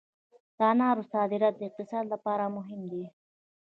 د انارو صادرات د اقتصاد لپاره مهم دي